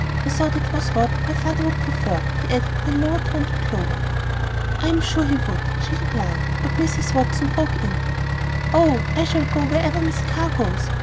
I thought it was what your father would prefer," he added in a lower tone to Clover. "I am sure he would," she replied; but Mrs. Watson broke in, "Oh, I shall go wherever Miss Carr goes.